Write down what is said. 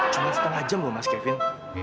cuma setengah jam loh mas kevin